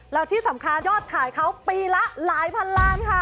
แล้วที่สำคัญยอดขายเขาปีละหลายพันล้านค่ะ